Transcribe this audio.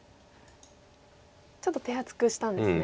ちょっと手厚くしたんですね。